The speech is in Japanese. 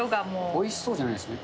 おいしそうじゃないんですね。